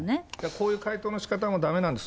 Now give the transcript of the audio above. こういう回答のしかたもだめなんです。